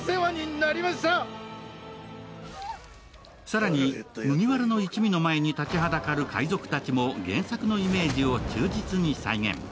更に麦わらの一味の前に立ちはだかる海賊たちも原作のイメージを忠実に再現。